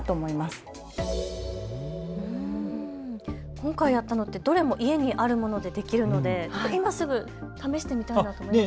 今回やったのってどれも家にあるものでできるので今すぐ試してみたほうがいいですね。